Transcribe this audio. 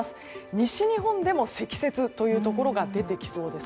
西日本でも、積雪というところが出てきそうです。